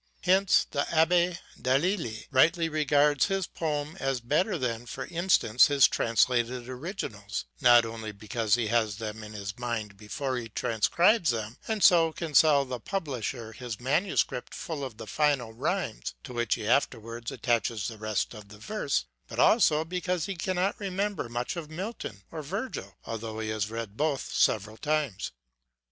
Hence the Abbe Delille rightly regards his poems as better than, for instance, his translated originals ; not only because he has them in his mind before he transcribes them, and so can sell the pub lisher his manuscript full of the final rhymes, to which he afterwards attaches the rest of the verse, ŌĆö but also be cause he cannot remember much of Milton or Virgil, although he has read both several times.